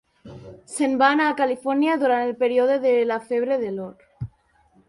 Se'n va anar a Califòrnia durant el període de la febre de l'or.